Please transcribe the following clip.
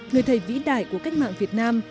người thầy vĩ đại của cách mạng việt nam